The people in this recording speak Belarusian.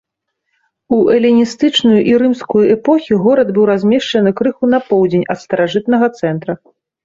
У эліністычную і рымскую эпохі горад быў размешчаны крыху на поўдзень ад старажытнага цэнтра.